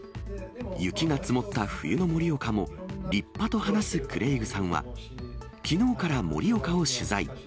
雪が積もった冬の盛岡も立派と話すクレイグさんは、きのうから盛岡を取材。